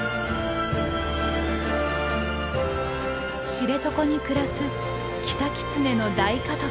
知床に暮らすキタキツネの大家族。